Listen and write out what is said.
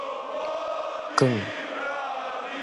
摃